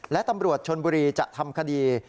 และตำรวจชนบุรีจะทำคดี